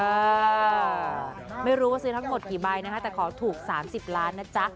อ่าไม่รู้ว่าซื้อทั้งหมดกี่ใบนะคะแต่ขอถูก๓๐ล้านนะจ๊ะ